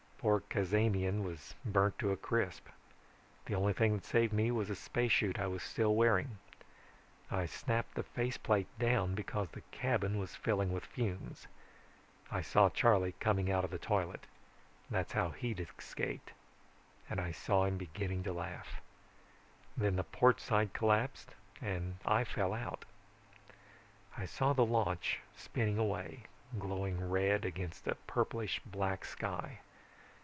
Poor Cazamian was burnt to a crisp. Only thing that saved me was the spacesuit I was still wearing. I snapped the face plate down because the cabin was filling with fumes. I saw Charley coming out of the toilet that's how he'd escaped and I saw him beginning to laugh. Then the port side collapsed and I fell out. "I saw the launch spinning away, glowing red against a purplish black sky.